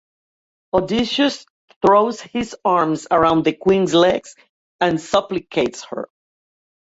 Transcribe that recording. Odysseus throws his arms around the queen's legs and supplicates her.